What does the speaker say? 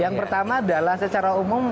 yang pertama adalah secara umum